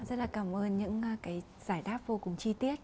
rất là cảm ơn những cái giải đáp vô cùng chi tiết